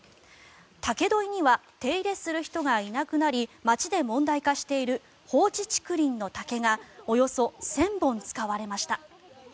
竹どいには手入れする人がいなくなり町で問題化している放置竹林の竹がおよそ１０００本使われました。